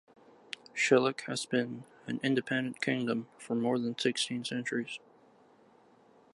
Shilluk has been an independent kingdom for more than sixteen centuries.